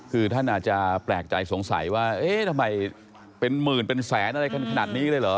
คือท่านอาจจะแปลกใจสงสัยว่าเอ๊ะทำไมเป็นหมื่นเป็นแสนอะไรกันขนาดนี้เลยเหรอ